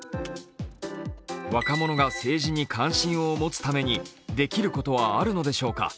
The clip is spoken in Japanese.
若者が政治に関心を持つためにできることはあるのでしょうか。